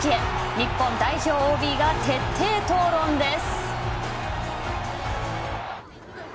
日本代表ＯＢが徹底討論です。